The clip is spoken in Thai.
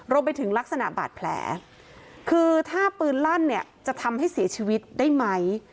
รวมไปถึงลักษณะบาดแผลคือถ้าปืนลั่นเนี่ยจะทำให้เสียชีวิตได้ไหม